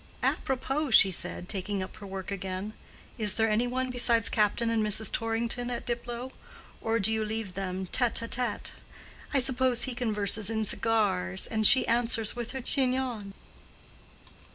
"Apropos," she said, taking up her work again, "is there any one besides Captain and Mrs. Torrington at Diplow?—or do you leave them tête à tête? I suppose he converses in cigars, and she answers with her chignon."